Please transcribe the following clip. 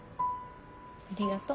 ありがとう。